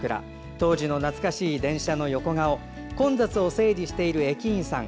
当時の懐かしい電車の横顔混雑を整理している駅員さん